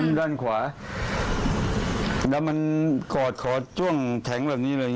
แล้วมันกอดขอจุ้งถังแล้ว